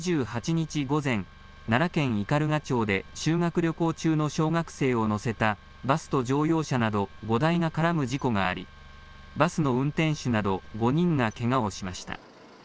２８日午前、奈良県斑鳩町で修学旅行中の小学生を乗せたバスと乗用車など５台が絡む事故があり、バスの運転手など、５人がけがをしました。